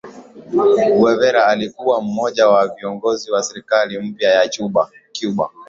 Guevara alikuwa mmoja wa viongozi wa serikali mpya ya Cuba